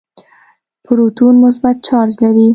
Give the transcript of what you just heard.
پروتون مثبت چارج لري.